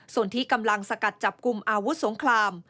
ส่วนที่กำลังสกัดจับกลุ่มอาวุธสงคราม